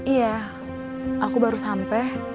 iya aku baru sampe